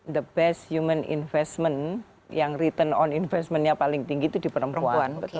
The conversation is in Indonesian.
the best human investment yang return on investmentnya paling tinggi itu di perempuan